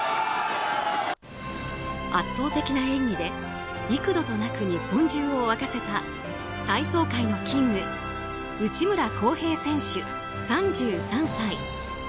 圧倒的な演技で幾度となく日本中を沸かせた体操界のキング内村航平選手、３３歳。